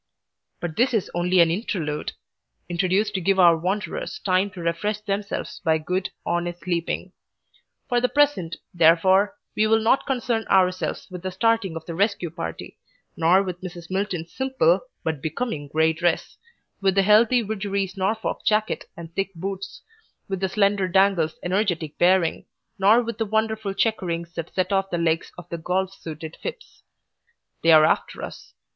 But this is only an Interlude, introduced to give our wanderers time to refresh themselves by good, honest sleeping. For the present, therefore, we will not concern ourselves with the starting of the Rescue Party, nor with Mrs. Milton's simple but becoming grey dress, with the healthy Widgery's Norfolk jacket and thick boots, with the slender Dangle's energetic bearing, nor with the wonderful chequerings that set off the legs of the golf suited Phipps. They are after us.